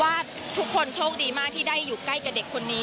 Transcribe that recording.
ว่าทุกคนโชคดีมากที่ได้อยู่ใกล้กับเด็กคนนี้